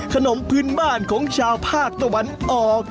ขนมพื้นบ้านของชาวภาคตะวันออก